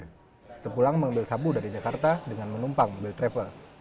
saya sepulang mengambil sabu dari jakarta dengan menumpang mobil travel